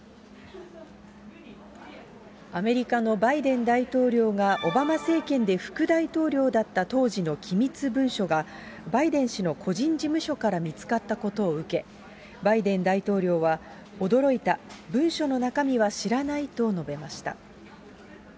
アメリカのバイデン大統領が、オバマ政権で副大統領だった当時の機密文書が、バイデン氏の個人事務所から見つかったことを受け、バイデン大統領は、驚いた、文書の中身は知らないと述べました。